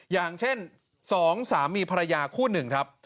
อย่างเช่น๒สามีภรรยาคู่หนึ่งครับ